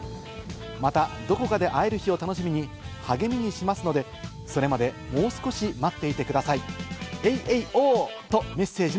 またどこかで会える日を楽しみに励みにしますので、それまでもう少し待っていてください。